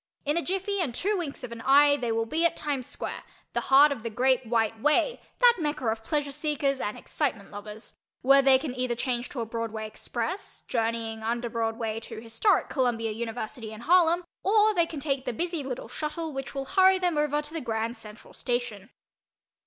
In a jiffy and two winks of an eye they will be at Times Square, the heart of the "Great White Way" (that Mecca of pleasure seekers and excitement lovers) where they can either change to a Broadway Express, journeying under Broadway to historic Columbia University and Harlem, or they can take the busy little "shuttle" which will hurry them over to the Grand Central Station.